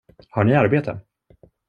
Har ni arbete?